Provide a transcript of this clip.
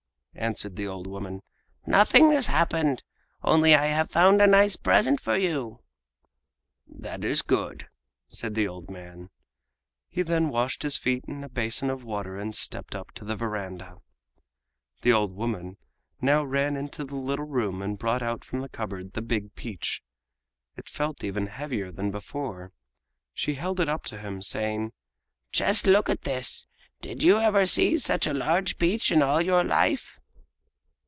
answered the old woman, "nothing has happened, only I have found a nice present for you!" "That is good," said the old man. He then washed his feet in a basin of water and stepped up to the veranda. The old woman now ran into the little room and brought out from the cupboard the big peach. It felt even heavier than before. She held it up to him, saying: "Just look at this! Did you ever see such a large peach in all your life?"